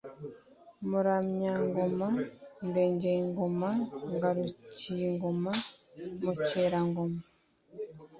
Muramyangoma Ndengeyingoma Ngarukiyingoma Mukerangoma